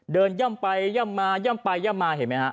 เดินย่ำไปย่ำมาย่ำไปย่ำมาเห็นมั้ยฮะ